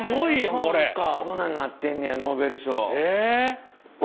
こんなんなってんねやノーベル賞。